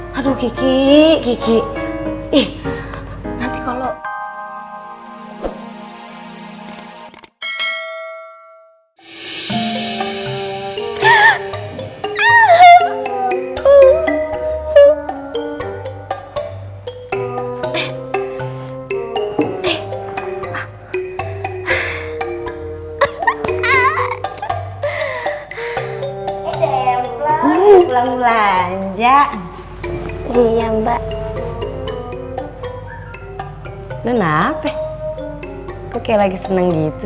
kok kayak lagi seneng gitu